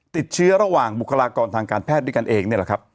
๓ติดเชื้อระหว่างบุคลากรทางการแพทย์ด้วยกันเอง